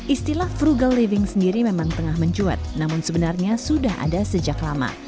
istilah frugal living sendiri memang tengah mencuat namun sebenarnya sudah ada sejak lama